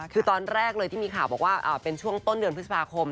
คือตอนแรกเลยที่มีข่าวบอกว่าเป็นช่วงต้นเดือนพฤษภาคม